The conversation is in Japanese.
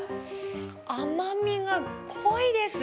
甘みが濃いです。